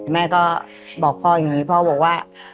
แม่ก็บอกพ่ออย่างนี้พ่อบอกว่า